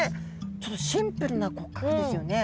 ちょっとシンプルな骨格ですよね。